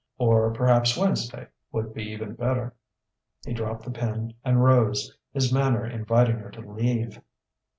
Or perhaps Wednesday would be even better...." He dropped the pen and rose, his manner inviting her to leave.